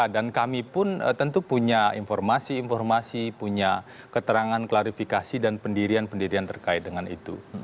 dan kami pun tentu punya informasi informasi punya keterangan klarifikasi dan pendirian pendirian terkait dengan itu